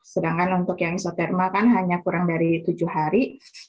sedangkan untuk yang isotermal kan hanya kurang dari tujuh hari